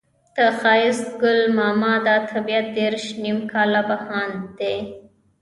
د ښایسته ګل ماما دا طبيعت دېرش نيم کاله بهاند دی.